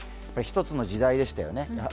１つの時代でしたよね。